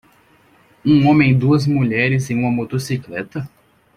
Um homem e duas mulheres em uma motocicleta.